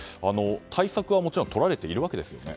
対策はもちろんとられているんですよね？